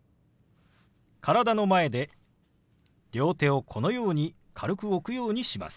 体の前で両手をこのように軽く置くようにします。